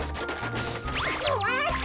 うわっと。